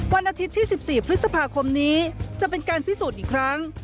วันอาทิตย์ที่๑๔พฤษภาคมนี้จะเป็นการพิสูจน์อีกครั้ง